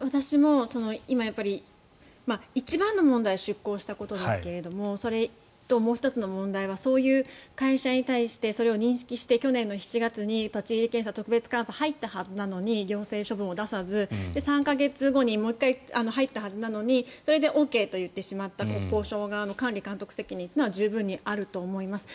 私も、一番の問題は出港したことですけれどそれともう１つの問題はそういう会社に対してそれを認識して去年の７月に立ち入り検査、特別監査が入ったはずなのに行政処分を出さず３か月後にもう１回入ったはずなのにそれでＯＫと言ってしまった国交省側の管理監督責任というのは十分にあると思います。